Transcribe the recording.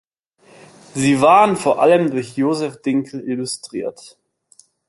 Sie waren vor allem durch Joseph Dinkel illustriert.